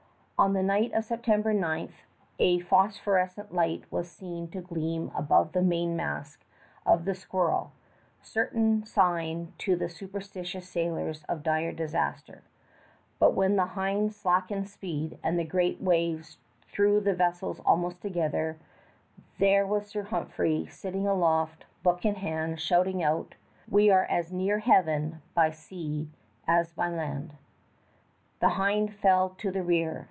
On the night of September 9 a phosphorescent light was seen to gleam above the mainmast of the Squirrel, certain sign to the superstitious sailors of dire disaster; but when the Hinde slackened speed, and the great waves threw the vessels almost together, there was Sir Humphrey sitting aloft, book in hand, shouting out, "We are as near Heaven by sea as by land." The Hinde fell to the rear.